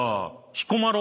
彦摩呂？